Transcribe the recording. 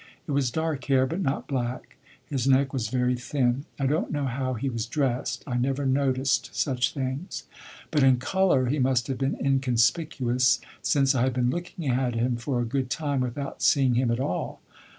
It was dark hair, but not black; his neck was very thin. I don't know how he was dressed I never noticed such things; but in colour he must have been inconspicuous, since I had been looking at him for a good time without seeing him at all.